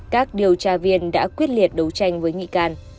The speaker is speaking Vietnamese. các điều tra viên đã quyết liệt đấu tranh với nghị can